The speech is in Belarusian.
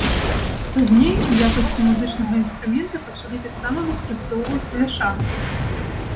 Пазней у якасці музычнага інструмента пачалі таксама выкарыстоўваць бляшанкі.